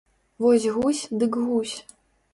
Вось гусь, дык гусь!